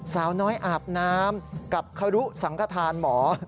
สาวน้อยอาบน้ามกับค่ะลูสังกษาณหมอ